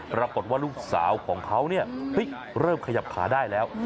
ปรากฏว่าลูกสาวของเขาเริ่มขยับขาได้แล้ว